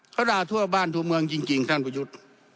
เขาด่าทั่วบ้านทั่วเมืองจริงท่านประยุทธ์